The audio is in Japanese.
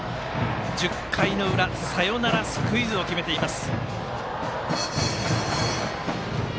１０回の裏サヨナラスクイズを決めています。